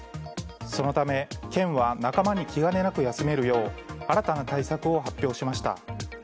そのため、県は仲間に気兼ねなく休めるよう新たな対策を発表しました。